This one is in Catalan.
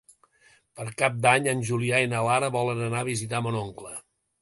Per Cap d'Any en Julià i na Lara volen anar a visitar mon oncle.